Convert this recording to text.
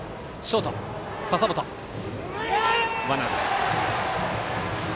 ワンアウトです。